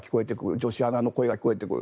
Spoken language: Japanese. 女性の声が聞こえてくる。